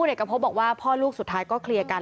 เอกพบบอกว่าพ่อลูกสุดท้ายก็เคลียร์กัน